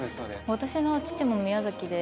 私の父も宮崎で。